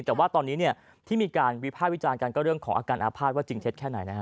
แต่ว่าตอนนี้เนี่ยที่มีการวิภาควิจารณ์กันก็เรื่องของอาการอาภาษณว่าจริงเท็จแค่ไหนนะฮะ